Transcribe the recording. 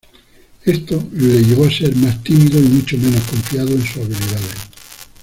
Esto le llevó a ser más tímido y mucho menos confiado en sus habilidades.